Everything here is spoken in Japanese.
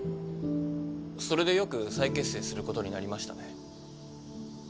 それでよく再結成することになりましたね。